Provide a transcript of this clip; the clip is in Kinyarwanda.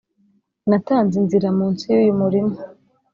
natanze inzira munsi yuyu murima